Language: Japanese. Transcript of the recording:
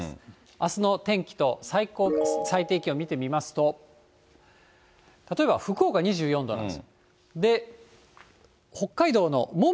あすの天気と最高、最低気温を見てみますと、例えば福岡２４度なんです。